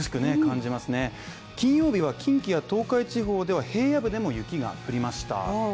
金曜日は近畿や東海地方では平野部でも雪が降りました